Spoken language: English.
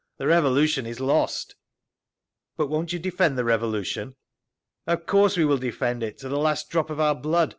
The Revolution is lost." "But won't you defend the Revolution?" "Of course we will defend it—to the last drop of our blood.